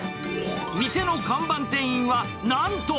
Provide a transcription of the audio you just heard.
店の看板店員はなんと。